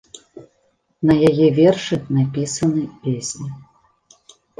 На яе вершы напісаны песні.